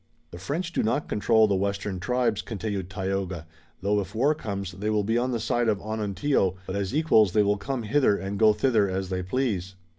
"The French do not control the western tribes," continued Tayoga, "though if war comes they will be on the side of Onontio, but as equals they will come hither and go thither as they please."